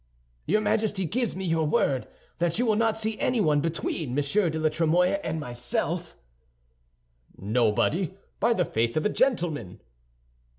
"Your Majesty gives me your word that you will not see anyone between Monsieur de la Trémouille and myself?" "Nobody, by the faith of a gentleman."